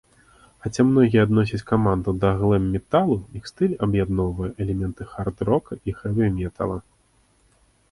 Хаця многія адносяць каманду да глэм-металу, іх стыль аб'ядноўвае элементы хард-рока і хэві-метала.